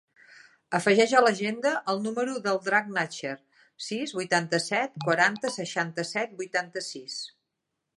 Afegeix a l'agenda el número del Drac Nacher: sis, vuitanta-set, quaranta, seixanta-set, vuitanta-sis.